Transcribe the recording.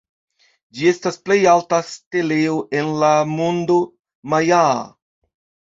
Ĝi estas plej alta steleo en la mondo majaa.